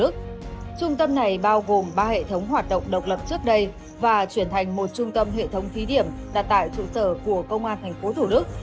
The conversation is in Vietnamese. trung tâm này bao gồm ba hệ thống hoạt động độc lập trước đây và chuyển thành một trung tâm hệ thống thí điểm đặt tại trụ sở của công an tp thủ đức